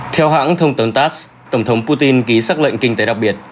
theo hãng thông tấn tass tổng thống putin ký xác lệnh kinh tế đặc biệt